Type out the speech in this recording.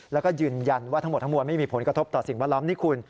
แล้วก็ยืนยันว่าทั้งหมดทั้งมวลไม่มีผลกระทบต่อสิ่งแวดล้อมนี่คุณ